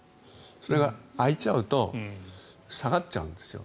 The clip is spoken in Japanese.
それが開いちゃうと下がっちゃうんですよ。